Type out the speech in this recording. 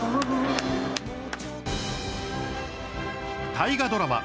大河ドラマ